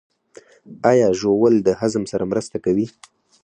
ایا ژوول د هضم سره مرسته کوي؟